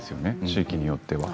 地域によっては。